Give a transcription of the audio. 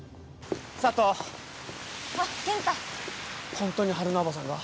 ホントに春菜叔母さんが？